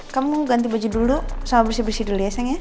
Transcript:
kamu ganti baju dulu sama bersih bersih dulu ya sayang ya